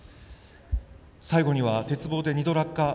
最後には鉄棒で２度、落下。